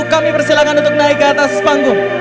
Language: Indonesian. kami persilakan untuk naik ke atas panggung